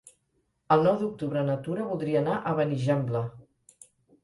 El nou d'octubre na Tura voldria anar a Benigembla.